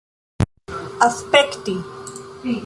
aspekti